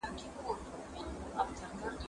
هغه څوک چي ونه ساتي ګټه کوي؟